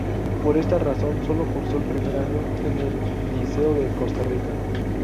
Por esta razón solo cursó el primer año en el Liceo de Costa Rica.